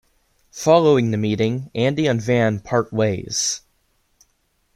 Following the meeting, Andy and Vann part ways.